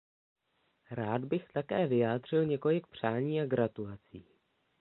Rád bych také vyjádřil několik přání a gratulací.